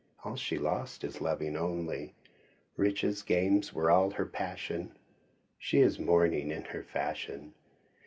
All she lost in loving only Riches, games were all her passion. She is mourning in her fashion.